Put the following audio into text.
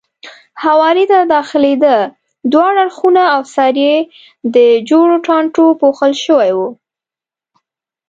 هوارۍ ته داخلېده، دواړه اړخونه او سر یې د جورو ټانټو پوښل شوی و.